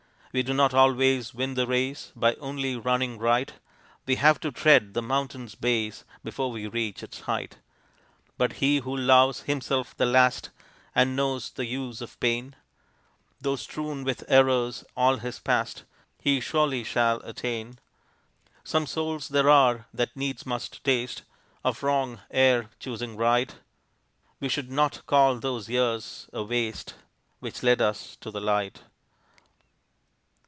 We do not always win the race By only running right, We have to tread the mountain's base Before we reach its height. But he who loves himself the last And knows the use of pain, Though strewn with errors all his past, He surely shall attain. Some souls there are that needs must taste Of wrong, ere choosing right; We should not call those years a waste Which led us to the light.